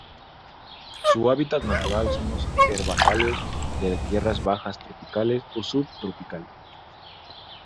Su hábitat natural son los herbazales de tierras bajas tropicales o subtropicales.